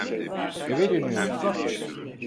Eve dönüyoruz.